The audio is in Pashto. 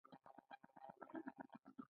نه پوهیدم چې څه روان دي